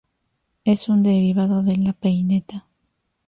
Es un derivado de la peineta.